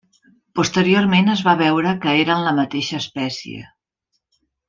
Posteriorment es va veure que eren la mateixa espècie.